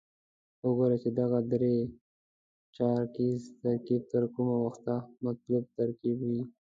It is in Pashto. وګورو چې دغه درې چارکیز ترکیب تر کومه وخته مطلوب ترکیب وي.